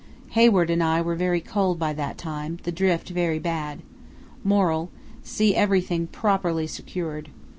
Hayward and I were very cold by that time, the drift very bad. Moral: See everything properly secured.